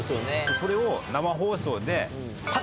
それを生放送で。